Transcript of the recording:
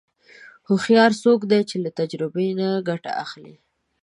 هوښیار څوک دی چې له تجربې نه ګټه اخلي.